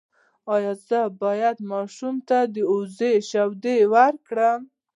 ایا زه باید ماشوم ته د وزې شیدې ورکړم؟